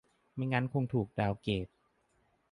ไม่งั้นคงถูกดาวน์เกรด